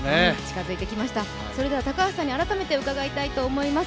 それでは高橋さんに改めて伺いたいと思います。